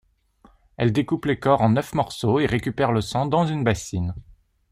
Elle découpe les corps en neuf morceaux et récupère le sang dans une bassine.